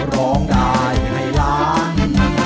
ร้องได้ให้ล้าน